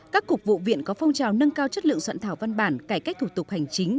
các cục vụ viện có phong trào nâng cao chất lượng soạn thảo văn bản cải cách thủ tục hành chính